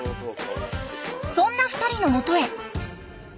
そんな２人のもとへ。